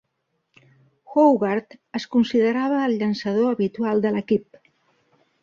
Hoggard es considerava el llançador habitual de l'equip.